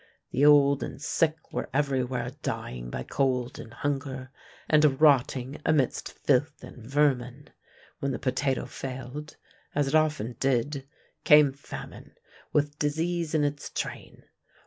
The old and sick were everywhere dying by cold and hunger, and rotting amidst filth and vermin. When the potato failed, as it often did, came famine, with disease in its train.